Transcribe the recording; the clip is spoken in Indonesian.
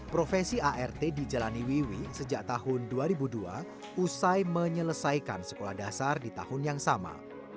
profesi art dijalani wiwi sejak tahun dua ribu dua usai menyelesaikan sekolah dasar di tahun yang sama